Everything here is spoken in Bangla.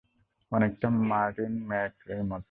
অনেকটা মার্টিন মেক্রের মতো।